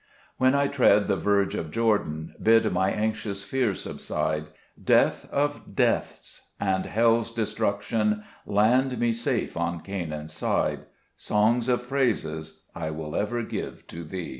3 When I tread the verge of Jordan, Bid my anxious fears subside ; Death of deaths and hell's Destruction, Land me safe on Canaan's side : Songs of praises I will ever give to Thee.